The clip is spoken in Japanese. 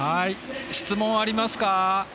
質問ありますか？